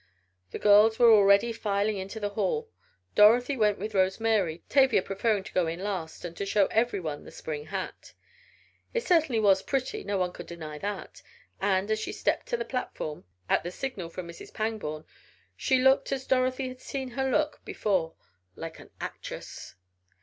The girls were already filing into the hall. Dorothy went with Rose Mary, Tavia preferring to go in last and so show everyone the spring hat. It certainly was pretty, no one could deny that, and, as she stepped to the platform, at the signal from Mrs. Pangborn, she looked as Dorothy had seen her look before like an actress!